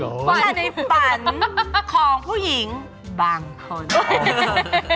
ฝันในฝันของผู้หญิงบางคนเออ